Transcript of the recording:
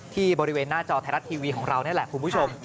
ที่บริเวณหน้าจอไทยรัฐทีวีของเรานี่แหละคุณผู้ชม